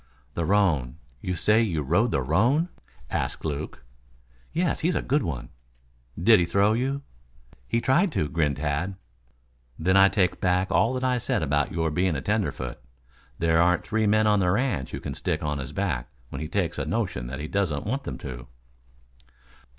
"The roan you say you rode the roan?" asked Lame. "Yes. He's a good one." "Did he throw you?" "He tried to," grinned Tad. "Then I take back all I said about your being a tenderfoot. There aren't three men on the ranch who can stick on his back when he takes a notion that he doesn't want them to."